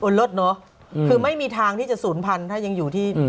เลิศเนอะคือไม่มีทางที่จะศูนย์พันธุ์ถ้ายังอยู่ที่